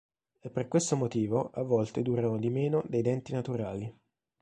È per questo motivo a volte durano di meno dei denti naturali.